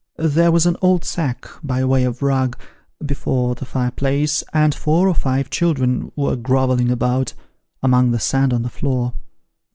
There was an old sack, by way of rug, before the fire place, and four or five children were grovelling about, among the sand on the floor.